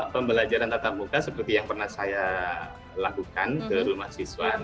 pembelajaran tatap muka seperti yang pernah saya lakukan ke rumah siswa